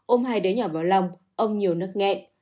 ôm hai đứa nhỏ vào lòng ông nhiều nức nghẹn